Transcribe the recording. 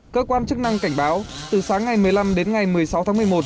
cơ quan chức năng cảnh báo từ sáng ngày một mươi năm đến ngày một mươi sáu tháng một mươi một